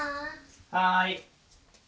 はい。